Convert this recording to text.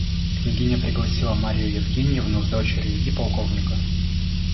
Княгиня пригласила Марью Евгеньевну с дочерью и полковника.